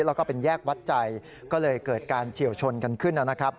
แล้วก็เป็นแยกวัดใจก็เลยเกิดการเฉียวชนกันขึ้นนะครับ